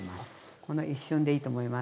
この一瞬でいいと思います。